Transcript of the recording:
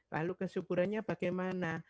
lalu kesuburannya bagaimana